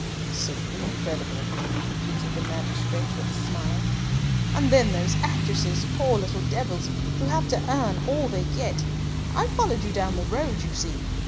"Simply incredible," repeated the magistrate, with a smile. "And then those actresses, poor little devils, who have to earn all they get. I followed you down the road, you see.